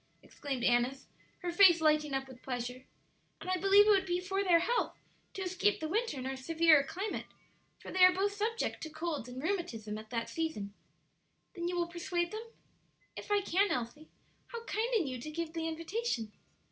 exclaimed Annis, her face lighting up with pleasure; "and I believe it would be for their health to escape the winter in our severer climate, for they are both subject to colds and rheumatism at that season." "Then you will persuade them?" "If I can, Elsie. How kind in you to give the invitation!"